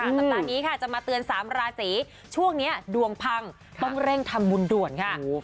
สัปดาห์นี้ค่ะจะมาเตือน๓ราศีช่วงนี้ดวงพังต้องเร่งทำบุญด่วนค่ะ